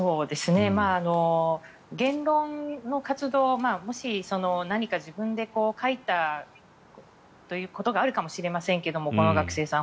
言論の活動もし、何か自分で書いたということがあるかもしれませんけれどもこの学生さん。